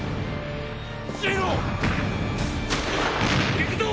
行くぞ！